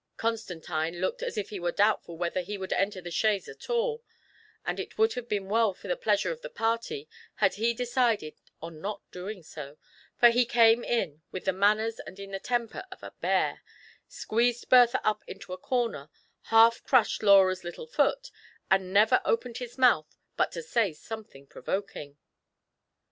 Constantine looked as if he were doubtful whether he would enter the chaise at all ; and it would have been well for the pleasure of the party had he decided on not doing so, for he came in with the manners and in the temper of a bear, squeezed Bertha up into a corner, half crushed Laura's little foot, and never opened his mouth but to say some thing provoking.